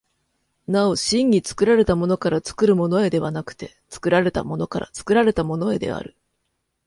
なお真に作られたものから作るものへではなくて、作られたものから作られたものへである。